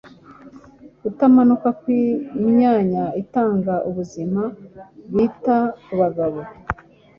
kutamanuka kw’imyanya itanga ubuzima bita ku bagabo